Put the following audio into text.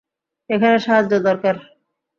এখানে সাহায্য দরকার!